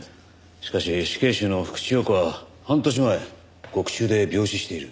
しかし死刑囚の福地陽子は半年前獄中で病死している。